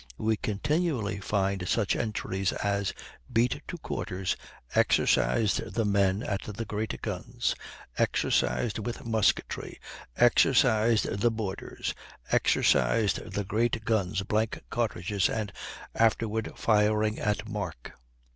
we continually find such entries as "beat to quarters, exercised the men at the great guns," "exercised with musketry," "exercised the boarders," "exercised the great guns, blank cartridges, and afterward firing at mark."